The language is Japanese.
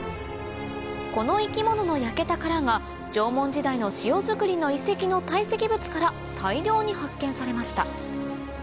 この生き物の焼けた殻が縄文時代の塩づくりの遺跡の堆積物から大量に発見されました